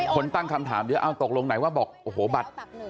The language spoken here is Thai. คนตั้งคำถามเยอะตกลงไหนว่าบัตร